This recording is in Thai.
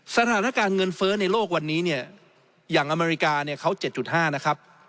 สถานการณ์เงินเฟ้อในโลกวันนี้เนี่ยอย่างอเมริกาเนี่ยเขา๗๕นะครับ